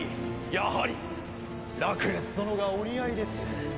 やはりラクレス殿がお似合いです。